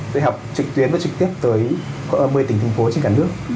được học trực tuyến và trực tiếp tới một mươi tỉnh thành phố trên cả nước